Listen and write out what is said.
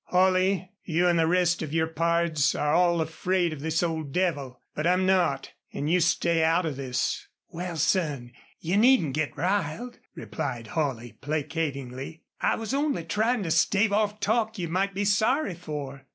Holley, you an' the rest of your pards are all afraid of this old devil. But I'm not an' you stay out of this." "Wal, son, you needn't git riled," replied Holley, placatingly. "I was only tryin' to stave off talk you might be sorry for."